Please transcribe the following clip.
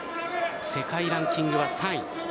世界ランキングは３位。